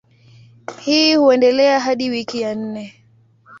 Hii huendelea hadi wiki ya nne.